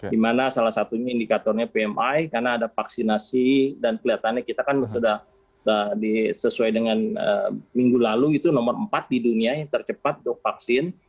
dimana salah satunya indikatornya pmi karena ada vaksinasi dan kelihatannya kita kan sudah sesuai dengan minggu lalu itu nomor empat di dunia yang tercepat untuk vaksin